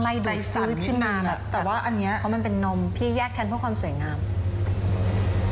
ดูซึดขนาดนี้นะเพราะมันเป็นนมพี่แยกฉันเพื่อความสวยงาม